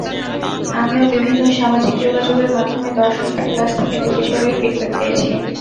আমিও বিভিন্ন সামাজিক যোগাযোগের মাধ্যমে দর্শকদের কাছ থেকে দুটি ছবির ফিডব্যাক পেয়েছি।